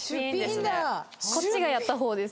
こっちがやった方です。